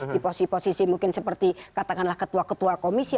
di posisi posisi mungkin seperti katakanlah ketua ketua komisi